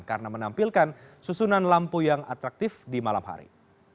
karena menampilkan susunan lampu yang atraktif di malam hari